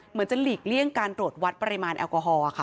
เหมือนจะหลีกเลี่ยงการตรวจวัดปริมาณแอลกอฮอล์ค่ะ